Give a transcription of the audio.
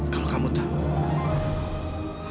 kalau kamu tahu